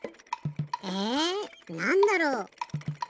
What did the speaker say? えなんだろう？